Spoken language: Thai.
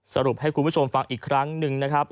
สรุปให้คุณผู้ชมฟังอีกครั้งหนึ่งนะครับ